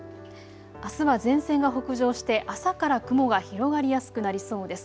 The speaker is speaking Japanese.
あすは前線が北上して朝から雲が広がりやすくなりそうです。